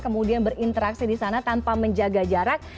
kemudian berinteraksi di sana tanpa menjaga jarak